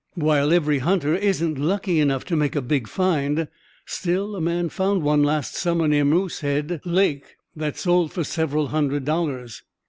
While every hunter isn't lucky enough to make a big find, still a man found one last summer near Moosehead Lake that sold for several hundred dollars."